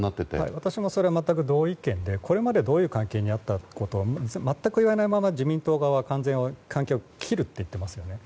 私もそれは全く同意見でこれまでどういう関係にあったか全く言わないまま自民党は関係を完全に切ると言っていますよね。